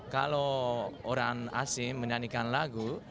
kalau orang asing menyanyikan lagu